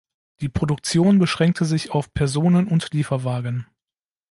Die Produktion beschränkte sich auf Personen- und Lieferwagen.